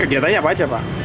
kegiatannya apa saja pak